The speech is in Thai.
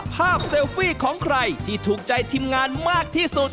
เซลฟี่ของใครที่ถูกใจทีมงานมากที่สุด